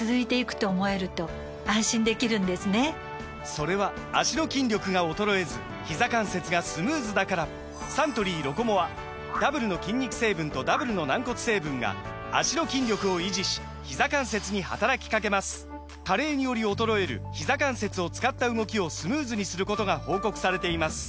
・それは脚の筋力が衰えずひざ関節がスムーズだからサントリー「ロコモア」ダブルの筋肉成分とダブルの軟骨成分が脚の筋力を維持しひざ関節に働きかけます加齢により衰えるひざ関節を使った動きをスムーズにすることが報告されています